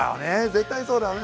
絶対そうだよね」